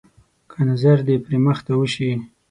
که نظر د پري مخ ته وشي.